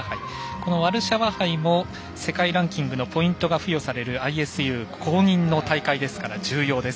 このワルシャワ杯も世界ランキングのポイントが付与されるＩＳＵ公認の大会ですから重要です。